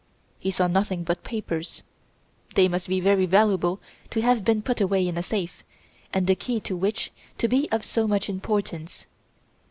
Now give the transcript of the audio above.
He saw nothing but papers. They must be very valuable to have been put away in a safe, and the key to which to be of so much importance.